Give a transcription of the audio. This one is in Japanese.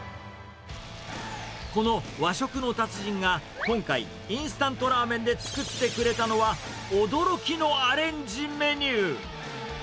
この和食の達人が、今回、インスタントラーメンで作ってくれたのは、驚きのアレンジメニュー。